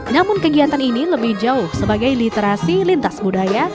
namun kegiatan ini lebih jauh sebagai literasi lintas budaya